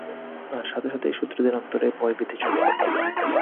আর সাথে সাথেই শত্রুদের অন্তরে ভয়-ভীতি ছড়িয়ে পড়ল।